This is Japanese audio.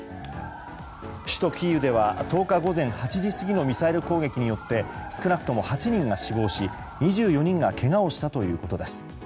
首都キーウでは１０日午前８時過ぎのミサイル攻撃によって少なくとも８人が死亡し２４人がけがをしたということです。